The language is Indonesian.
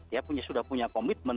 dia sudah punya komitmen